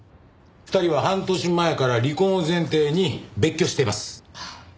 ２人は半年前から離婚を前提に別居しています。